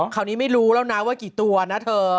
คราวนี้ไม่รู้แล้วนะว่ากี่ตัวนะเธอ